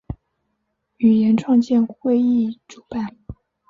语言创建会议主办。